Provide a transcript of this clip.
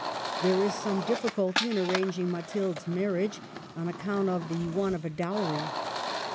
There is some difficulty in arranging Mathilde' s marriage, on account of the want of a dowry.